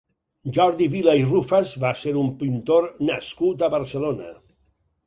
Jordi Vila i Rufas va ser un pintor nascut a Barcelona.